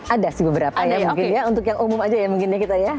ada sih beberapa ya mungkin ya untuk yang umum aja ya mungkin ya kita ya